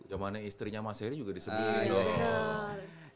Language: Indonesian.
jamannya istrinya mas eri juga di sebelah